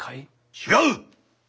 違う！